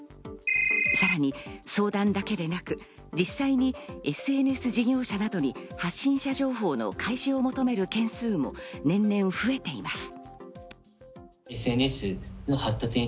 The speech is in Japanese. さらに相談だけでなく、実際にＳＮＳ事業者などに発信者情報の開示を求める件数も年々増えています。